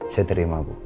saya terima bu